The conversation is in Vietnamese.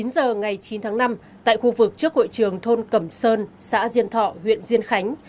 chín giờ ngày chín tháng năm tại khu vực trước hội trường thôn cẩm sơn xã diên thọ huyện diên khánh